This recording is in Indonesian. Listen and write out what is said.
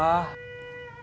mau kerja apa